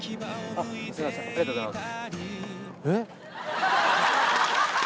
ありがとうございます。